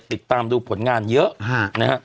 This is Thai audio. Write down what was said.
ติดตามดูผลงานเยอะนะฮะ